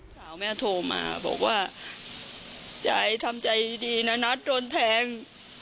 สาวแม่โทรมาบอกว่าใจทำใจดีนะนัทโดนแทง